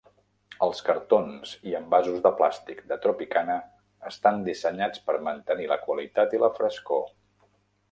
Els cartons i envasos de plàstic de Tropicana estan dissenyats per mantenir la qualitat i la frescor.